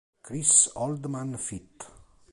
Chris Oldman Feat.